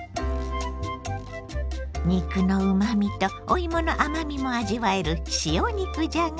肉のうまみとおいもの甘みも味わえる塩肉じゃが。